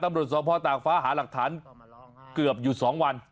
ตำรวจสอบพ่อตากฟ้าหาหลักฐานเกือบอยู่๒วัน